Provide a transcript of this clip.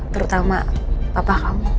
terutama papa kamu